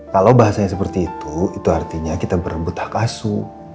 kalau bahasanya seperti itu itu artinya kita berebut tak asu